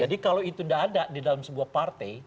jadi kalau itu tidak ada di dalam sebuah partai